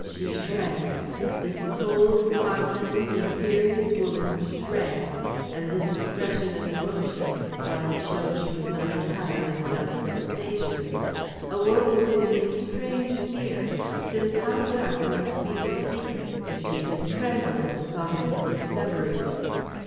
She shrank. This cold, confident, imperious woman shrank, and this expression of emotion, while it showed she was not entirely without sensation, awoke within me a strange fear, since how dark must be her secret, if she could tremble at the thought of its discovery.